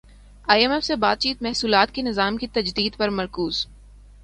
ئی M F سے بات چیت محصولات کے نظام کی تجدید پر مرکوز